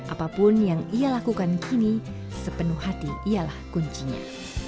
apapun yang ia lakukan kini sepenuh hati ialah kuncinya